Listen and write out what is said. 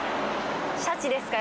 シャチですか？